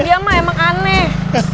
diam lah emang aneh